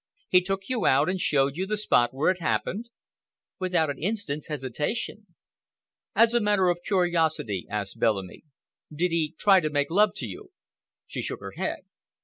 "He took you out and showed you the spot where it happened?" "Without an instant's hesitation." "As a matter of curiosity," asked Bellamy, "did he try to make love to you?" She shook her head.